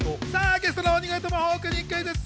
ゲストの鬼越トマホークにクイズッス！